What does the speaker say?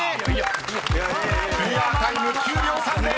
［クリアタイム９秒３０］